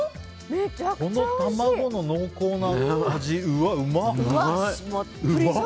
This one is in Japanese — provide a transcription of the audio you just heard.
この卵の濃厚な味、うまっ！